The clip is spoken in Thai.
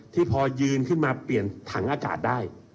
ที่พอยืนขึ้นมาเปลี่ยนถังอากาศได้